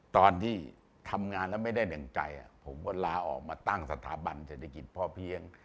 ตอนที่ทำงานแล้วไม่ได้ดั่งใจผมก็ลาออกมาตั้งสถาบันเศรษฐกิจพ่อเพียง